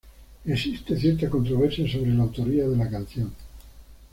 Existe cierta controversia sobre la autoría de la canción.